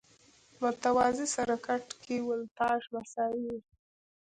متوازي سرکټ کې ولټاژ مساوي وي.